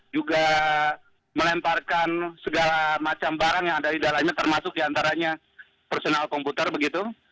juga melemparkan segala macam barang yang ada di dalamnya termasuk diantaranya personal komputer begitu